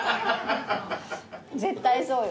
絶対そうよ。